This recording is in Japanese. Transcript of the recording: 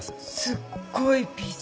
すっごい美人。